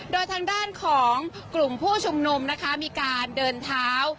โดยทางด้านของกลุ่มผู้ชุมนุมนะคะมีการเดินเท้า